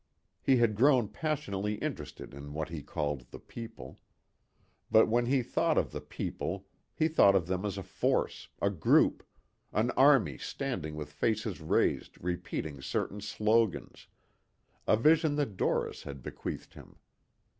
He had grown passionately interested in what he called the people. But when he thought of the people he thought of them as a force, a group, an army standing with faces raised repeating certain slogans a vision that Doris had bequeathed him.